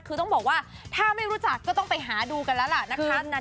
คือต้องบอกว่าถ้าไม่รู้จักก็ต้องไปหาดูกันแล้วล่ะนะคะ